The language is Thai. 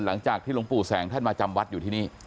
หลังจากที่หลวงปู่แสงท่านมาจำวัดอยู่ที่นี่